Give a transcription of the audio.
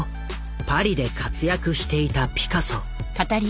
パリで活躍していたピカソ。